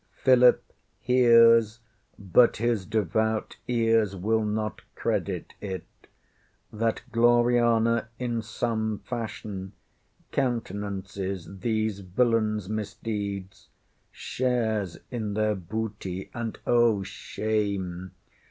Philip hears, but his devout ears will not credit it, that Gloriana in some fashion countenances these villainsŌĆÖ misdeeds, shares in their booty, and oh, shame!